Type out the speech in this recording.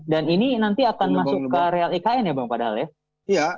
dan ini nanti akan masuk ke areal ikn ya bang padahal ya